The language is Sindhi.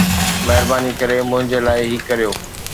مهرباني ڪري منهنجي لاءِ هي ڪريو